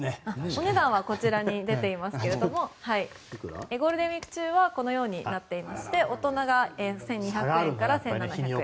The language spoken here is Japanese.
お値段はこちらに出ていますがゴールデンウィーク中はこのようになっていまして大人が１２００円から１７００円。